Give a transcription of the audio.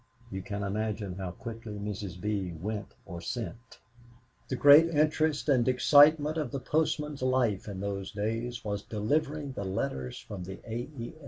You can imagine how quickly Mrs. B. went or sent. The great interest and excitement of the postmen's life in those days was delivering the letters from the A. E.